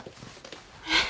えっ？